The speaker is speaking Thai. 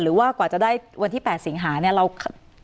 หรือว่ากว่าจะได้วันที่๘สิงหาเนี่ย